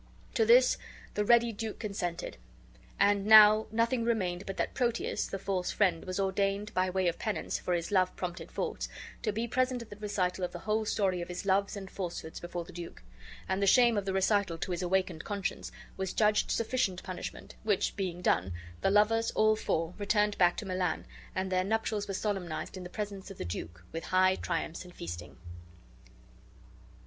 To this the' ready duke consented. And now nothing remained but that Proteus, the false friend, was ordained, by way of penance for his love prompted faults, to be present at the recital of the whole story of his loves and falsehoods before the duke. And the shame of the recital to his awakened conscience was judged sufficient punishment; which being done, the lovers, all four, returned back to Milan, and their nuptials were solemnized in the presence of the duke, with high triumphs and feasting.